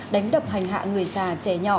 đánh đập hành hạ người già trẻ nhỏ